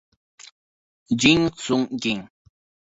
Jin Soon-jin